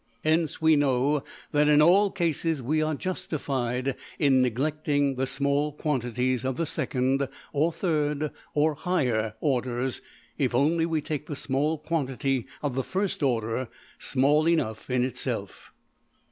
Hence we know that \emph{in all cases we are justified in neglecting the small quantities of the second or third \emph{(or higher)} orders}, if only we take the small quantity of the first order small enough in itself.